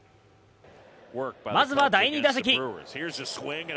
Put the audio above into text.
まずは第２打席。